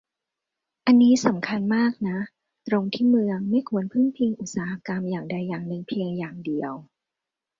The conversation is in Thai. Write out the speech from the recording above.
อันนี้สำคัญมากนะ ตรงที่เมืองไม่ควรพึ่งพิงอุตสาหกรรมอย่างใดอย่างหนึ่งเพียงอย่างเดียว